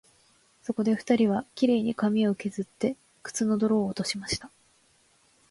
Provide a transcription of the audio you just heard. そこで二人は、綺麗に髪をけずって、靴の泥を落としました